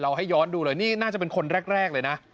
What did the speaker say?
ให้ย้อนดูเลยนี่น่าจะเป็นคนแรกเลยนะ